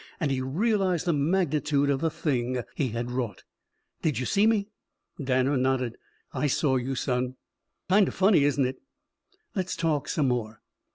And he realized the magnitude of the thing he had wrought. "Did you see me?" Danner nodded. "I saw you, son." "Kind of funny, isn't it?" "Let's talk some more."